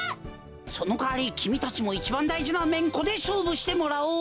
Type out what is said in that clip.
そのかわりきみたちもいちばんだいじなめんこでしょうぶしてもらおう！